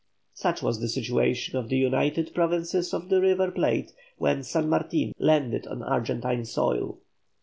Such was the situation of THE UNITED PROVINCES OF THE RIVER PLATE when SAN MARTIN landed on Argentine soil.